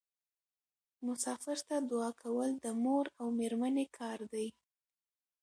مسافر ته دعا کول د مور او میرمنې کار دی.